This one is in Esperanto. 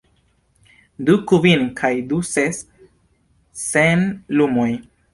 Du kvin kaj du ses, sen lumoj.